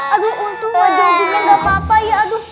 aduh untung ga jogging ga apa apa ya aduh